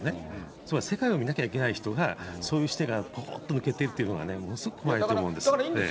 つまり世界を見なきゃいけない人が、そういう視点がぽこんと抜けているというのはものすごい怖いと思うんです。